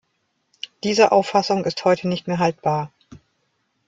Diese Auffassung ist heute nicht mehr haltbar.